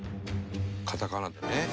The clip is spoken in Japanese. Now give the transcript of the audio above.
「カタカナでね」